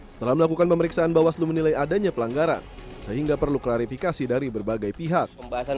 setelah melakukan pemeriksaan bawaslu menilai adanya pelanggaran sehingga perlu klarifikasi dari berbagai pihak